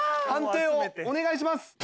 判定をお願いします。